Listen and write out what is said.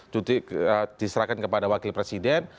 cuti diserahkan kepada wakil presiden